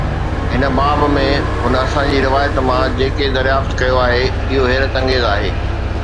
هن باب ۾، هن اسان جي روايت مان جيڪي دريافت ڪيو آهي، اهو حيرت انگيز آهي.